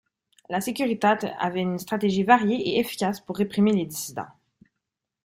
La Securitate avait une stratégie variée et efficace pour réprimer les dissidents.